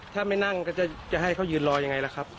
ถ้าไม่นั่งก็จะให้เขายืนรอยังไงล่ะครับ